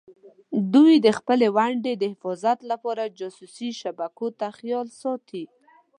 دوی د خپلې ونډې د حفاظت لپاره جاسوسي شبکو ته خیال ساتي.